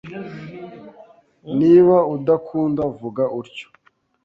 Niba udakunda, vuga utyo.